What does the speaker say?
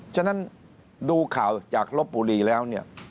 ฉะนั้นดูข่าวจากลบบุรีแล้วเนี่ย